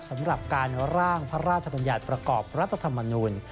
สำหรับการร่างพระราชบัญญัติประกอบรัฐธรรมนูล